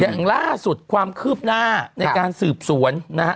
อย่างล่าสุดความคืบหน้าในการสืบสวนนะฮะ